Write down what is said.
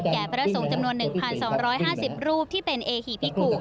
แก่พระทรงจำนวน๑๒๕๐รูปที่เป็นเอหิพิกุ